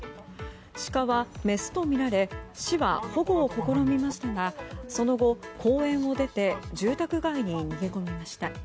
シカはメスとみられ市は保護を試みましたがその後、公園を出て住宅街に逃げ込みました。